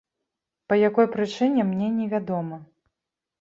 Па якой прычыне, мне не вядома.